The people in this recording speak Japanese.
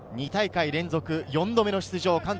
２大会連続４回目の出場。